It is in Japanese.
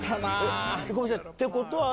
ってことは。